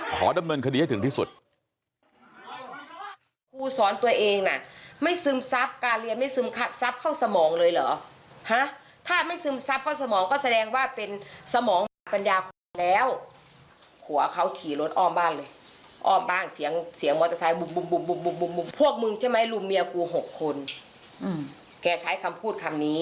ขอดำเนินคดีให้ถึงที่สุด